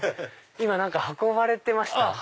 今何か運ばれてました？